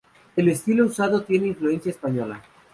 El estilo usado tiene influencia española.